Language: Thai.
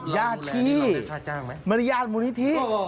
ญาติพี่มาริยาทมูลนิธิ